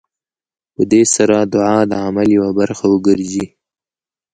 په دې سره دعا د عمل يوه برخه وګرځي.